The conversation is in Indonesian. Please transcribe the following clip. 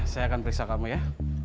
saya akan periksa kami ya